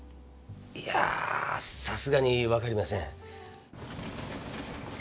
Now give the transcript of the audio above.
いやさすがにわかりません。